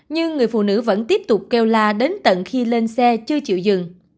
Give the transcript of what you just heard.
nhưng người phụ nữ vẫn tiếp tục keo la đến tận khi lên xe chưa chịu dừng